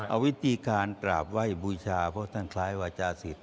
เอาวิธีการกราบไหว้บูชาเพราะท่านคล้ายวาจาศิษย